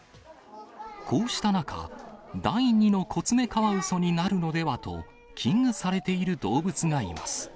こうした中、第２のコツメカワウソになるのではと、危惧されている動物がいます。